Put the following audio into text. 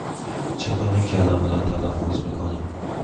چطور این کلمه را تلفظ می کنی؟